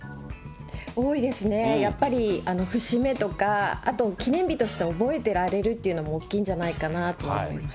多いですね、やっぱり節目とか、あと、記念日として覚えてられるというのも大きいんじゃないかなと思います。